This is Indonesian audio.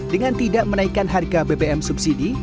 dengan tidak menaikkan harga bbm subsidi